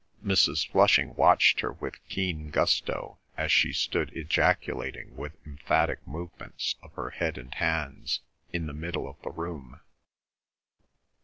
Mrs. Flushing watched her with keen gusto as she stood ejaculating with emphatic movements of her head and hands in the middle of the room.